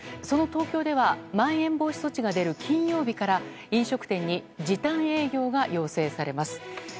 その東京ではまん延防止措置が出る金曜日から飲食店に時短営業が要請されます。